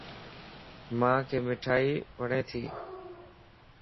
مانک مٺائي وڙتي